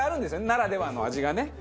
ならではの味がね。